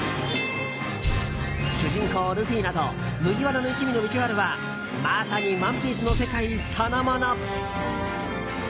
主人公ルフィなど麦わらの一味のビジュアルはまさに「ＯＮＥＰＩＥＣＥ」の世界そのもの。